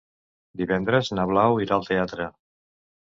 Divendres na Blau irà al teatre.